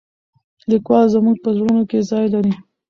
لیکوال زموږ په زړونو کې ځای لري.